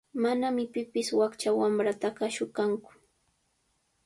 Manami pipis wakcha wamrataqa shuqanku.